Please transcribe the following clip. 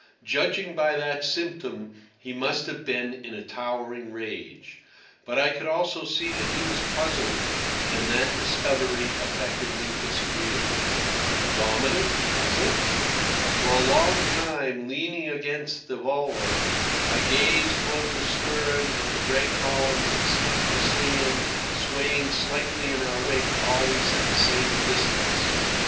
Judging by that symptom, he must have been in a towering rage. But I could also see that he was puzzled, and that discovery affected me disagreeably. Dominic puzzled! For a long time, leaning against the bulwark, I gazed over the stern at the gray column that seemed to stand swaying slightly in our wake always at the same distance.